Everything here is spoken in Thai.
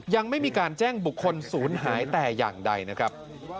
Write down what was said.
ยังไม่มีการแจ้งบุคคลศูนย์หายแต่อย่างใดนะครับ